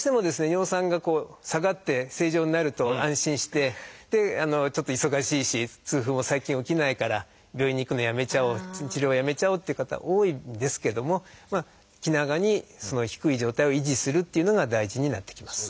尿酸が下がって正常になると安心してでちょっと忙しいし痛風も最近起きないから病院に行くのをやめちゃおう治療をやめちゃおうっていう方多いんですけども気長にその低い状態を維持するっていうのが大事になってきます。